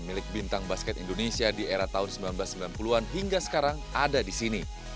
milik bintang basket indonesia di era tahun seribu sembilan ratus sembilan puluh an hingga sekarang ada di sini